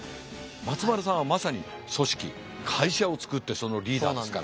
松丸さんはまさに組織会社を作ってそのリーダーですから。